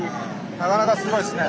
なかなかすごいですね。